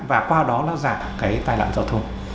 và qua đó nó giảm cái tai nạn giao thông